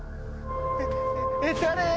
えっ誰？